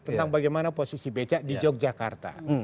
tentang bagaimana posisi becak di yogyakarta